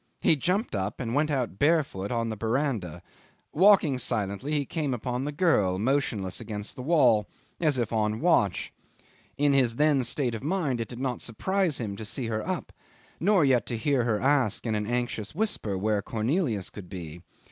He jumped up, and went out barefooted on the verandah. Walking silently, he came upon the girl, motionless against the wall, as if on the watch. In his then state of mind it did not surprise him to see her up, nor yet to hear her ask in an anxious whisper where Cornelius could be.